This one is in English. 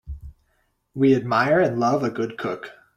We admire and love a good cook.